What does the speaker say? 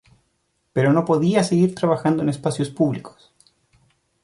Pero no podía seguir trabajando en espacios públicos.